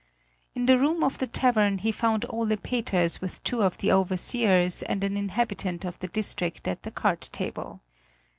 In the room of the tavern he found Ole Peters with two of the overseers and an inhabitant of the district at the card table.